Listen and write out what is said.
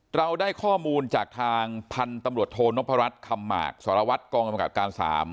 เราได้ข้อมูลจากทางพันธุ์ตำรวจโทนพรัชคำหมากสารวัตรกองกำกับการ๓